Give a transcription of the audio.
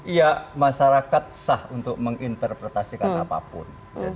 ya masyarakat sah untuk menginterpretasikan apapun